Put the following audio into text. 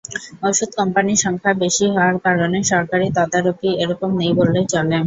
ওষুধ কোম্পানির সংখ্যা বেশি হওয়ার কারণে সরকারি তদারকি একরকম নেই বললেই চলে।